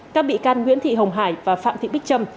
các bị can nguyễn thị hồng hải và phạm thị bích trâm